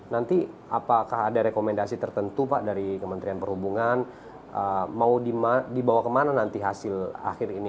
nanti apakah ada rekomendasi tertentu pak dari kementerian perhubungan mau dibawa kemana nanti hasil akhir ini